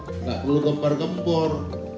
tidak perlu gempar gempur